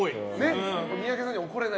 三宅さんには怒れない。